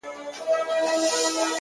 دغو تورمخو له تیارو سره خپلوي کړې ده٫